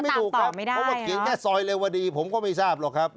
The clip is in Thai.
ถูกครับเพราะว่าเขียนแค่ซอยเรวดีผมก็ไม่ทราบหรอกครับ